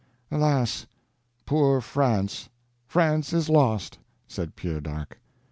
"Alas, poor France—France is lost!" said Pierre d'Arc.